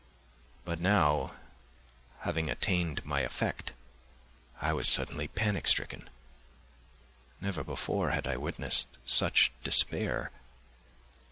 But now, having attained my effect, I was suddenly panic stricken. Never before had I witnessed such despair!